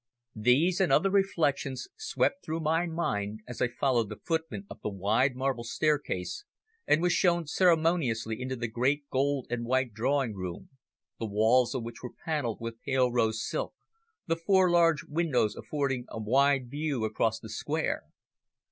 These and other reflections swept through my mind as I followed the footman up the wide marble staircase and was shown ceremoniously into the great gold and white drawing room, the walls of which were panelled with pale rose silk, the four large windows affording a wide view across the Square.